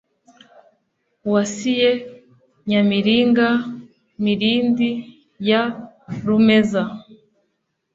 wasiye nyamiringa, mirindi ya rumeza